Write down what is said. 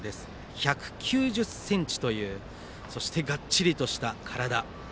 １９０ｃｍというがっちりとした体。